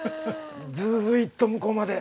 ずずずいっと向こうまで。